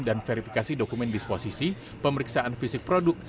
dan verifikasi dokumen disposisi pemeriksaan fisik produk